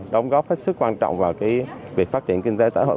đóng góp hết sức quan trọng vào việc phát triển kinh tế xã hội